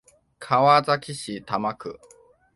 川崎市多摩区